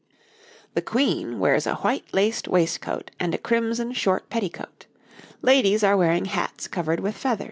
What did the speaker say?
] The Queen wears a white laced waistcoat and a crimson short petticoat. Ladies are wearing hats covered with feathers.